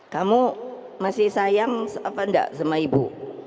kamu masih sayang apa enggak sama ibu